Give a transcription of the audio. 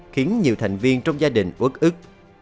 khiến nhiều thành viên trong gia đình quất ức